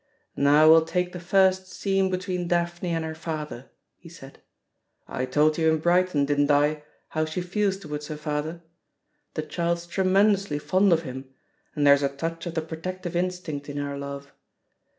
"Now we'll take the first scene between Daphne and her father," he said. *'I told you in Brighton, didn't I, how she feels towards her father? The child's tremendously fond of him, and there's a touch of the protective instinct in her love.